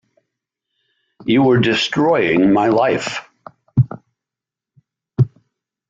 You were destroying my life.